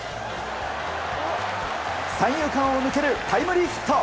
三遊間を抜けるタイムリーヒット。